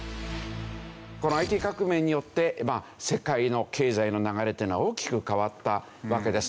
このＩＴ革命によってまあ世界の経済の流れっていうのは大きく変わったわけです。